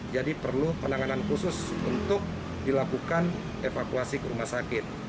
jadi perlu penanganan khusus untuk dilakukan evakuasi ke rumah sakit